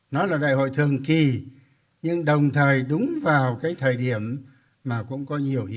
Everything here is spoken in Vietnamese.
nó là đại hội thường kỳ nhưng đồng thời đúng vào cái thời điểm mà cũng có nhiều ý nghĩa